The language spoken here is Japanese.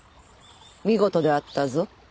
見事であったぞ。